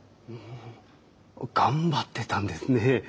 ほう頑張ってたんですね。